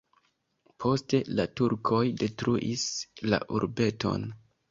Poste la turkoj detruis la urbeton.